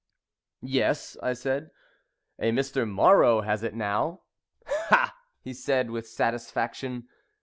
"Yes," I said. "A Mr. Marrow has it now." "Ha!" he said, with satisfaction.